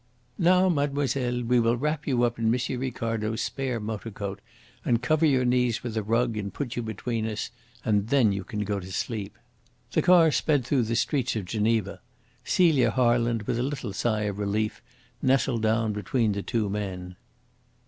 "Now, mademoiselle, we will wrap you up in M. Ricardo's spare motor coat and cover your knees with a rug and put you between us, and then you can go to sleep." The car sped through the streets of Geneva. Celia Harland, with a little sigh of relief, nestled down between the two men.